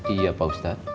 iya pak ustadz